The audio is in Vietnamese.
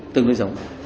tương lưu giống